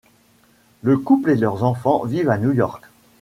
Le couple et leurs enfants vivent à New York.